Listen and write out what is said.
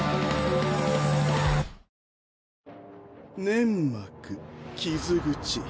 粘膜傷口。